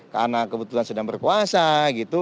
karena kebetulan sedang berkuasa gitu